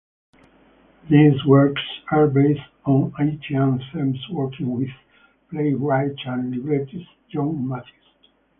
These works are based on Haitian themes working with playwright and librettist John Matheus.